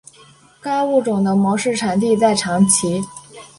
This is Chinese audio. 该物种的模式产地在长崎。